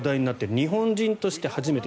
日本人として初めて。